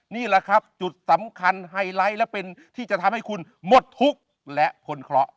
นี่แหละครับจุดสำคัญไฮไลท์และเป็นที่จะทำให้คุณหมดทุกข์และพ้นเคราะห์